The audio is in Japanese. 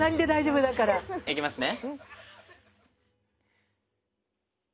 いきますね。